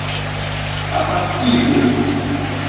apartigo